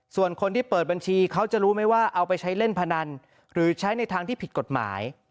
ส่วนคนที่เปิดบัญชีเขาจะรู้ไหมว่าเอาไปใช้เล่นพนันหรือใช้ในทางที่ผิดกฎหมาย